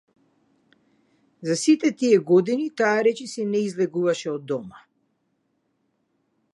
За сите тие години, таа речиси не излегуваше од дома.